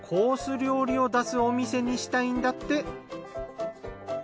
料理を出すお店にしたいんだって。